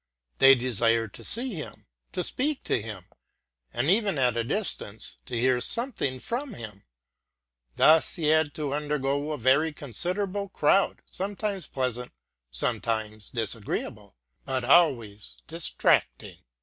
They desired to see him, to speak to him, and, eyen at a distance, to hear something from him: thus he had to encounter a very considerable crowd, sometimes pleasant, sometimes disagreeable, but always diverting him from his pursuits.